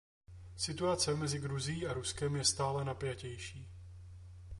Situace mezi Gruzií a Ruskem je stále napjatější.